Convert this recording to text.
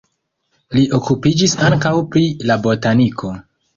Li okupiĝis ankaŭ pri la botaniko.